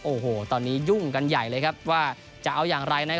โอ้โหตอนนี้ยุ่งกันใหญ่เลยครับว่าจะเอาอย่างไร